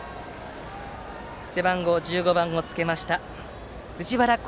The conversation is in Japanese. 背番号１５番をつけた藤原昂